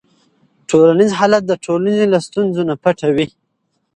ټولنیز حالت د ټولنې له ستونزو نه پټوي.